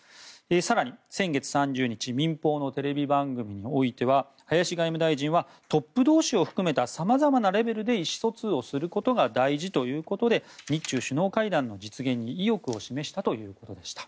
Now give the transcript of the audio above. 更に、先月３０日民放のテレビ番組においては林外務大臣はトップ同士を含めたさまざまなレベルで意思疎通をすることが大事ということで日中首脳会談実現に意欲を示したということでした。